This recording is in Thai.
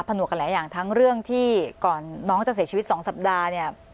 หนวกกันหลายอย่างทั้งเรื่องที่ก่อนน้องจะเสียชีวิต๒สัปดาห์เนี่ย